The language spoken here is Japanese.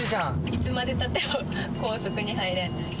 いつまでたっても高速に入れん。